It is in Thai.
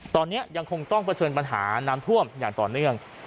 ตอนนี้ยังคงต้องเผชิญปัญหาน้ำท่วมอย่างต่อเนื่อง